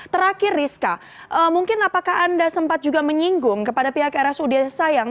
terakhir rizka mungkin apakah anda sempat juga menyinggung kepada pihak rsud sayang